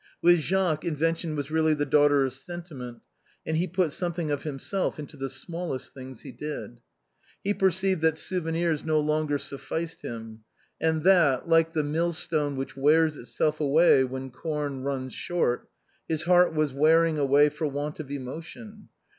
With Jacques invention was really the daughter of sentiment, and he put something of himself into the smallest things he did. He perceived that souvenirs no longer sufficed him, and that, like the mill stone which wears itself away when corn runs short, his heart was wearing away for want of emotion.